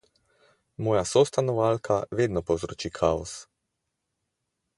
Moja sostanovalka vedno povzroči kaos.